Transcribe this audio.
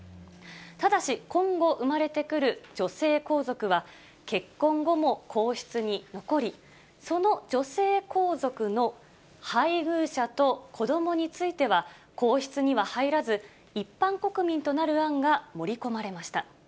ただし今後生まれてくる女性皇族は、結婚後も皇室に残り、その女性皇族の配偶者と子どもについては、皇室には入らず、一般国民となる案が盛り込まれました。